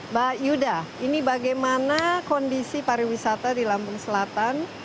mbak yuda ini bagaimana kondisi pariwisata di lampung selatan